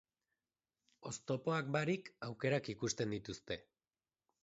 Oztopoak barik, aukerak ikusten dituzte.